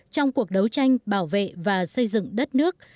trong cuộc đấu tranh bảo vệ và xây dựng đất nước